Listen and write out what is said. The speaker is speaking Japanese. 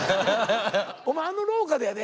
お前あの廊下でやで。